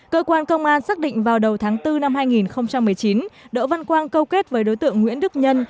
cơ quan công an xác định vào đầu tháng bốn năm hai nghìn một mươi chín đỗ văn quang câu kết với đối tượng nguyễn đức nhân